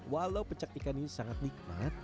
walau pencak ikan ini sangat nikmat